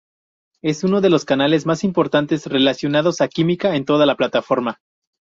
Es uno de los canales más populares relacionados a química en toda la plataforma.